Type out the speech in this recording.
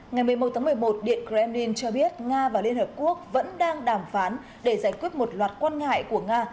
ngày một mươi một tháng một mươi một điện kremlin cho biết nga và liên hợp quốc vẫn đang đàm phán để giải quyết một loạt quan ngại của nga